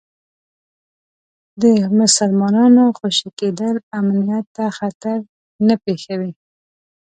د مسلمانانو خوشي کېدل امنیت ته خطر نه پېښوي.